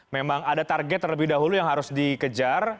memang ada target terlebih dahulu yang harus dikejar